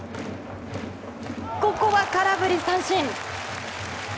ここは空振り三振。